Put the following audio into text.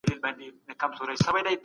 مجاهد په میدان کي د تکبیر ناره وهي.